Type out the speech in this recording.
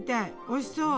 おいしそう。